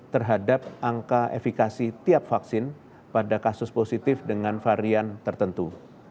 terhadap angka efekasi tiap vaksin pada kasus positif dengan varian tertentu